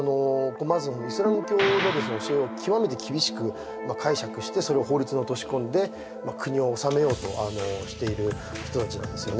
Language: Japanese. まずイスラム教の教えを極めて厳しく解釈してそれを法律に落とし込んで国を治めようとしている人達なんですよね